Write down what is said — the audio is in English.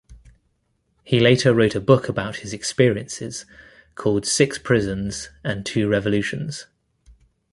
He later wrote a book about his experiences, called "Six Prisons and Two Revolutions".